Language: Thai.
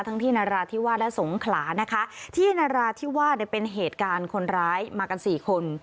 ที่นราธิวาสและสงขลานะคะที่นราธิวาสเนี่ยเป็นเหตุการณ์คนร้ายมากันสี่คน